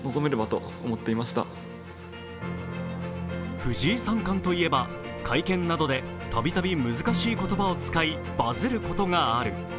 藤井三冠といえば、会見などでたびたび難しい言葉を使いバズることがある。